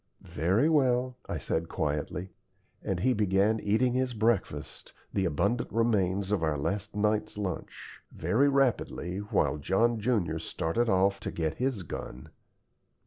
"Very well," I said quietly: and he began eating his breakfast the abundant remains of our last night's lunch very rapidly, while John junior started off to get his gun.